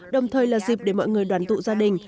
đồng thời là dịp để mọi người đoàn tụ gia đình